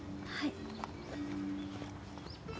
はい。